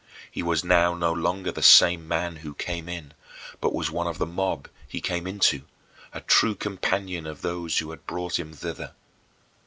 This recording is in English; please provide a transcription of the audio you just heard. He was now no longer the same man who came in, but was one of the mob he came into, a true companion of those who had brought him thither.